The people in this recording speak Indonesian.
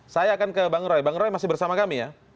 saya akan ke bang roy bang roy masih bersama kami ya